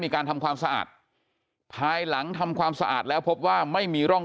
ทำความสะอาดภายหลังทำความสะอาดแล้วพบว่าไม่มีร่อง